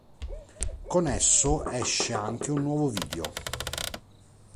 Con esso esce anche un nuovo video.